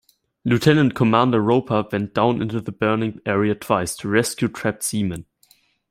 Lieutenant Commander Roper went down into the burning area twice to rescue trapped seamen.